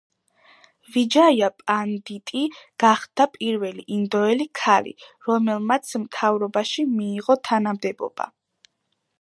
ვიჯაია პანდიტი გახდა პირველი ინდოელი ქალი, რომელმაც მთავრობაში მიიღო თანამდებობა.